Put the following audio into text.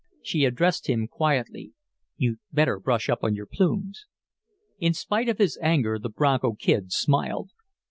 She addressed him, quietly, "You'd better brush up your plumes." In spite of his anger the Bronco Kid smiled.